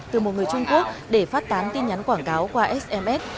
từ một người trung quốc để phát tán tin nhắn quảng cáo qua sms